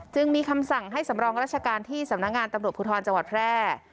จึงมีคำสั่งให้สำรองราชการที่สำนักงานตำรวจภูทรจังหวัดแพร่